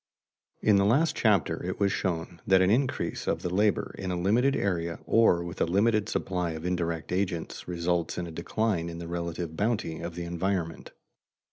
In the last chapter it was shown that an increase of the labor in a limited area or with a limited supply of indirect agents results in a decline in the relative bounty of the environment.